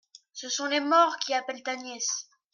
Ce sont les morts qui appellent ta nièce.